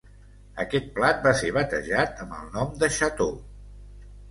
Aquest plat va ser batejat amb el nom de xató.